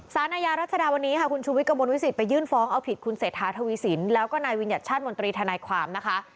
อาญารัชดาวันนี้ค่ะคุณชูวิทย์กระมวลวิสิตไปยื่นฟ้องเอาผิดคุณเศรษฐาทวีสินแล้วก็นายวิญญัติชาติมนตรีทนายความนะคะ